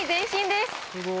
すごい。